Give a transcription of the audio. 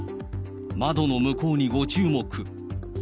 窓の向こうにご注目。